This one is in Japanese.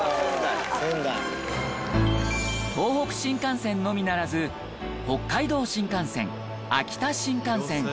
東北新幹線のみならず北海道新幹線秋田新幹線